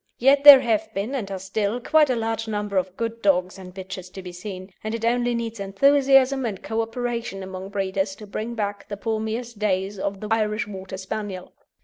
Yet there have been, and are still, quite a large number of good dogs and bitches to be seen, and it only needs enthusiasm and co operation among breeders to bring back the palmiest days of the Irish Water Spaniel.